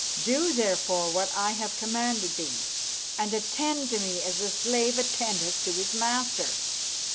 Do, therefore, what I have commanded thee, and attend to me as the slave attendeth to his master."